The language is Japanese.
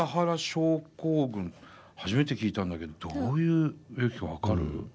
初めて聞いたんだけどどういう病気か分かる？